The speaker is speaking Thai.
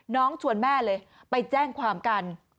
ชวนแม่เลยไปแจ้งความกัน